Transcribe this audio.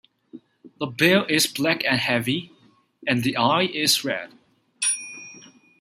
The bill is black and heavy, and the eye is red.